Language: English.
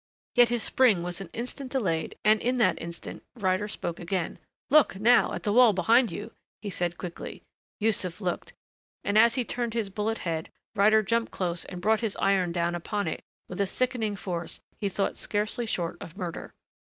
Yet his spring was an instant delayed and in that instant Ryder spoke again. "Look, now at the wall behind you," he said quickly. Yussuf looked. And as he turned his bullet head Ryder jumped close and brought his iron down upon it with a sickening force he thought scarcely short of murder.